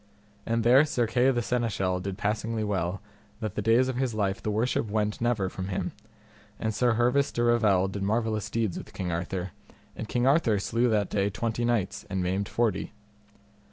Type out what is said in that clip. And there Sir Kay the seneschal did passingly well, that the days of his life the worship went never from him; and Sir Hervis de Revel did marvellous deeds with King Arthur, and King Arthur slew that day twenty knights and maimed forty.